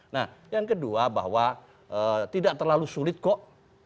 nah yang kedua bahwa tidak terlalu sulit kok